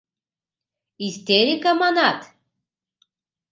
Истерика, манат?